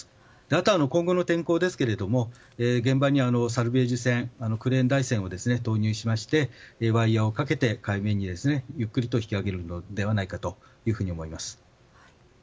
あとは今後の天候ですが現場にサルベージ船クレーン台船を投入しましてワイヤをかけて海面にゆっくりと引き上げるのではないかと思います。